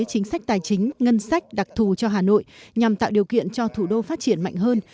chính sách tài chính ngân sách đặc thù cho hà nội nhằm tạo điều kiện cho thủ đô phát triển mạnh hơn